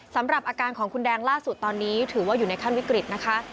สำหรับอาการของคุณแดงล่าสุดตอนนี้ถือว่าอยู่ในขั้นวิกฤตนะคะ